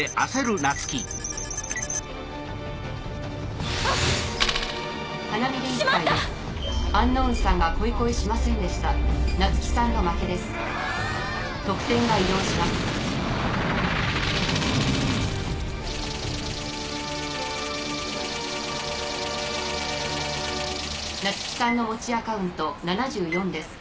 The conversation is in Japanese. ナツキさんの持ちアカウント７４です。